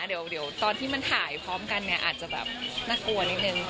เดี๋ยวตอนที่มันถ่ายพร้อมกันเนี่ยอาจจะแบบน่ากลัวนิดนึง